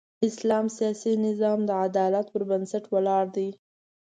اسلام سیاسي نظام د عدالت پر بنسټ ولاړ دی.